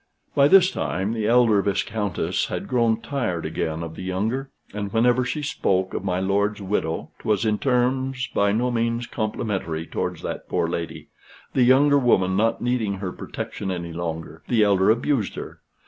By this time the elder Viscountess had grown tired again of the younger, and whenever she spoke of my lord's widow, 'twas in terms by no means complimentary towards that poor lady: the younger woman not needing her protection any longer, the elder abused her.